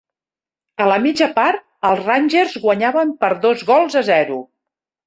A la mitja part, els Rangers guanyaven per dos gols a zero.